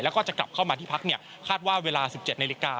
แล้วก็จะกลับเข้ามาที่พักคาดว่าเวลา๑๗นาฬิกา